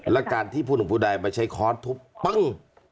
และการที่ผู้หนุ่มผู้ใดมาใช้ค้อนทุบปึ้ง